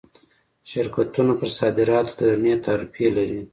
شرکتونه پر صادراتو درنې تعرفې لري.